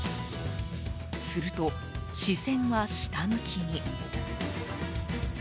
すると視線は下向きに。